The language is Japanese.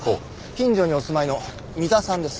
近所にお住まいの三田さんです。